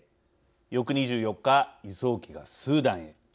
翌２４日、輸送機がスーダンへ。